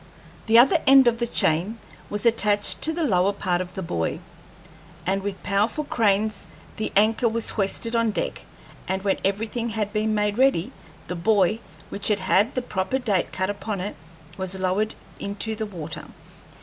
The other end of the chain was attached to the lower part of the buoy, and with powerful cranes the anchor was hoisted on deck, and when everything had been made ready the buoy, which had had the proper date cut upon it, was lowered into the water.